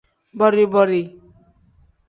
Bori-bori.